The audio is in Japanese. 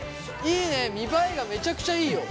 いいね見栄えがめちゃくちゃいいよ。